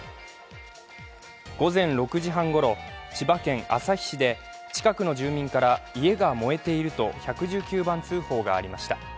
午前６時半ごろ、千葉県旭市で近くの住民から家が燃えていると１１９番通報がありました。